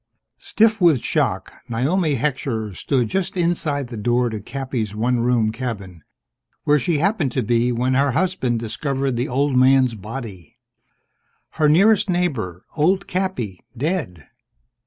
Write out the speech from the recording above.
_ Stiff with shock, Naomi Heckscher stood just inside the door to Cappy's one room cabin, where she'd happened to be when her husband discovered the old man's body. Her nearest neighbor old Cappy dead.